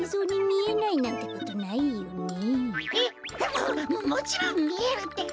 えっ？ももちろんみえるってか。